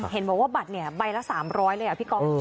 เห็นบอกว่าบัตรเนี่ยใบละ๓๐๐เลยอ่ะพี่ก๊อฟ